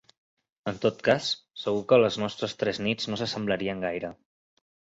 En tot cas, segur que les nostres tres nits no s'assemblarien gaire.